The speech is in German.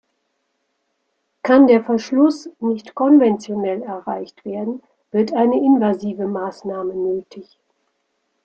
Kann der Verschluss nicht konventionell erreicht werden, wird eine invasive Maßnahme nötig.